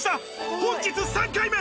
本日３回目！